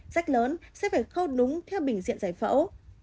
sách lớn sẽ phải khâu đúng theo bình diện giải phẫu